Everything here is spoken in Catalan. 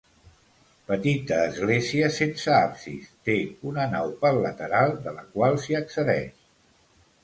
Petita església sense absis, té una nau pel lateral de la qual s'hi accedeix.